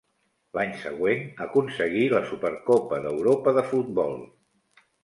L'any següent aconseguí la Supercopa d'Europa de futbol.